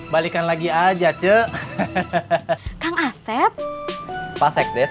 kalau masih saling cinta macet